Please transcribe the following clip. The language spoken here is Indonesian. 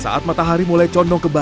saat matahari mulai condong ke barat